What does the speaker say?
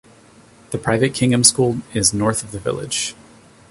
The private Kingham Hill School is north of the village.